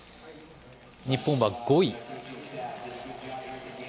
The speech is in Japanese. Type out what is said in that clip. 日本は５位。